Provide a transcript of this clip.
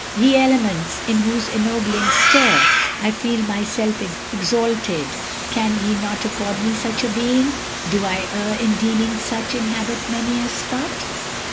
Ye Elements! in whose ennobling stir I feel myself exalted can ye not Accord me such a being? Do I err In deeming such inhabit many a spot?